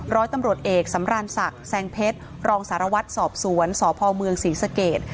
ร้อยตำรวจเอกสำรานศักดิ์แซงเพชรรองสารวัตรสอบสวนสพเมืองศรีสเกต